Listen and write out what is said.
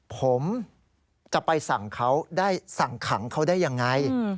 ผมจะไปสั่งเขาสั่งขังเขาได้อย่างไร